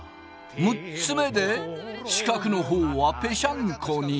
６つ目で四角の方はペシャンコに。